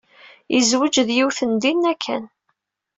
Yezweǧ d yiwet n dinna kan.